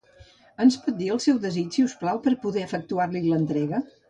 Ens pot dir el seu desig, si us plau, per poder efectuar-li l'entrega?